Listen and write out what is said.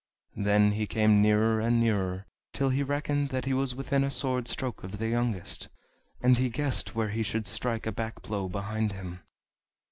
Then he came nearer and nearer, till he reckoned that he was within a sword's stroke of the youngest, and he guessed where he should strike a back blow behind him.